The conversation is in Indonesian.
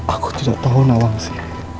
aku tidak tahu nawangsi